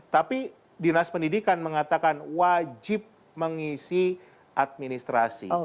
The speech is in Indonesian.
tapi dinas pendidikan mengatakan wajib mengisi administrasi